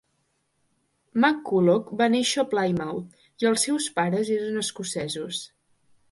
McCulloch va néixer a Plymouth i els seis pares eren escocesos.